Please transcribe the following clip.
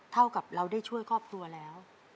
เท่ากับเราได้ช่วยครอบครัวแล้ว